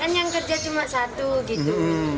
kan yang kerja cuma satu gitu